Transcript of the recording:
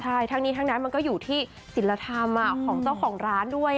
ใช่ทั้งนี้ทั้งนั้นมันก็อยู่ที่ศิลธรรมของเจ้าของร้านด้วย